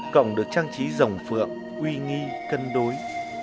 cổng được trang trí dòng phượng uy nghi cân đối